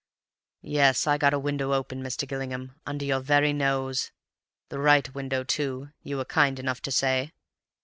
Yes, I got a window open, Mr. Gillingham, under your very nose; the right window too, you were kind enough to say.